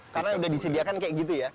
karena sudah disediakan kayak gitu ya